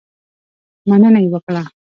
مننه یې وکړه.